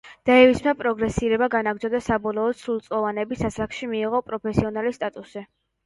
დეივისმა პროგრესირება განაგრძო და, საბოლოოდ, სრულწლოვანების ასაკში მიიღო პროფესიონალის სტატუსი.